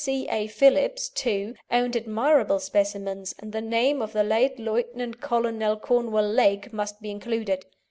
C. A. Phillips, too, owned admirable specimens, and the name of the late Lieut. Colonel Cornwall Legh must be included.